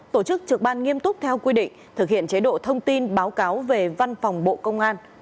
tổ chức trực ban nghiêm túc theo quy định thực hiện chế độ thông tin báo cáo về văn phòng bộ công an